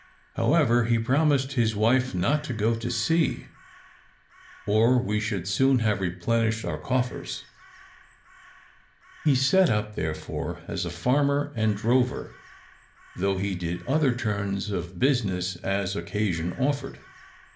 However, he promised his wife not to go to sea, or we should soon have replenished our coffers. He set up, therefore, as a farmer and drover, though he did other turns of business as occasion offered.